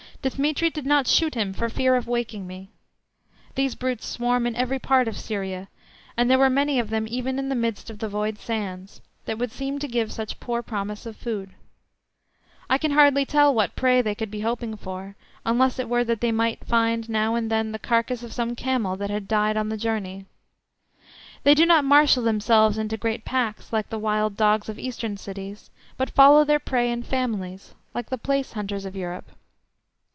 Dthemetri did not shoot him for fear of waking me. These brutes swarm in every part of Syria, and there were many of them even in the midst of the void sands, that would seem to give such poor promise of food. I can hardly tell what prey they could be hoping for, unless it were that they might find now and then the carcass of some camel that had died on the journey. They do not marshal themselves into great packs like the wild dogs of Eastern cities, but follow their prey in families, like the place hunters of Europe.